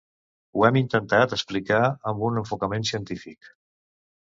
Ho hem intentat explicar amb un enfocament científic.